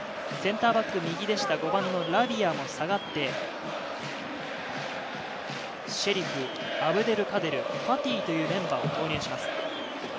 センターバック右でした、５番のラビアも下がって、シェリフ、アブデルカデル、ファティというメンバーを投入します。